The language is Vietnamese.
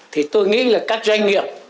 thì tôi nghĩ là các doanh nghiệp